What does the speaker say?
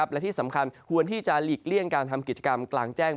และที่สำคัญควรที่จะหลีกเลี่ยงการทำกิจกรรมกลางแจ้ง